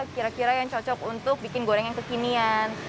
kira kira yang cocok untuk bikin goreng yang kekinian